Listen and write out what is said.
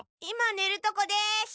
今ねるとこです。